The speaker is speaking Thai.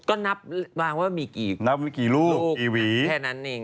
ก็นับว่ามีกี่ลูกแค่นั้นเอง